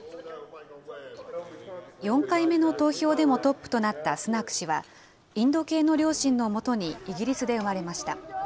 ４回目の投票でもトップとなったスナク氏は、インド系の両親のもとにイギリスで生まれました。